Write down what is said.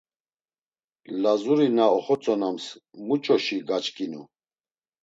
Lazuri na oxotzonams muç̌oşi gaçkinu?